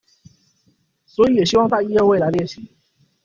所以也希望帶一二位來列席